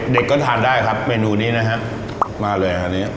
เด็กก็ทานได้ครับเมนูนี้นะฮะมาเลยอันนี้